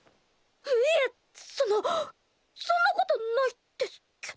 いえそのそんなことないですけど。